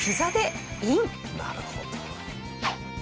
なるほど。